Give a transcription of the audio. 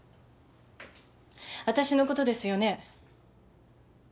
私のことですよね？